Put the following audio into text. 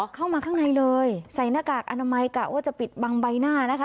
เข้ามาข้างในเลยใส่หน้ากากอนามัยกะว่าจะปิดบังใบหน้านะคะ